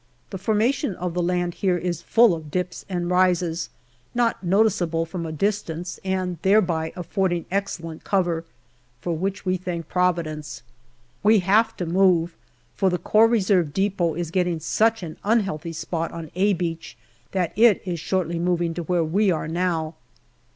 The formation of the land here is full of dips and rises, not noticeable from a distance, and thereby affording excellent cover, for which we thank Providence. We have to move, for the Corps Reserve depot is getting such an unhealthy spot on " A " Beach that it is shortly moving to where we are now.